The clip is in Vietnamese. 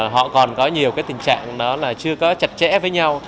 họ còn có nhiều cái tình trạng đó là chưa có chặt chẽ với nhau